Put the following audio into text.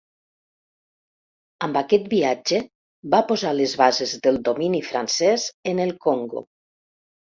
Amb aquest viatge, va posar les bases del domini francès en el Congo.